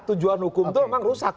tujuan hukum itu memang rusak